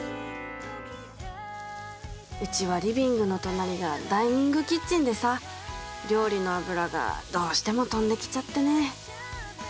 うちはリビングの隣がダイニングキッチンでさ料理の油がどうしても飛んできちゃってね。